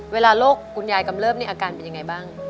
เวลาโรคคุณยายกำเริบนี่อาการเป็นยังไงบ้าง